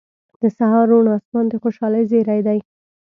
• د سهار روڼ آسمان د خوشحالۍ زیری دی.